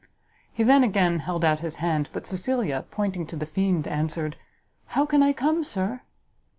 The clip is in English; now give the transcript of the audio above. He then again held out his hand, but Cecilia, pointing to the fiend, answered, "How can I come, sir?"